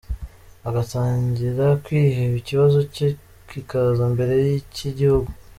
Agatangira kwireba ikibazo cye kikaza mbere y’icy’igihugu.